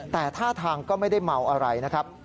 แต่ท่าทางก็ไม่ได้เมาอะไรนะครับ